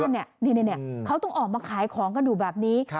ต้องมาออกมาขายของดูแบบนี้